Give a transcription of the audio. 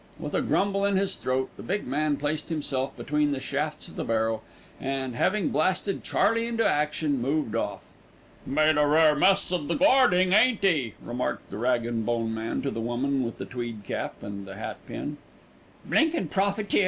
With a grumble in his throat, the big man placed himself between the shafts of the barrow and, having blasted Charley into action, moved off. "Made a rare mess of the garding, ain't 'e?" remarked the rag and bone man to the woman with the tweed cap and the hat pin. "Blinkin' profiteer!"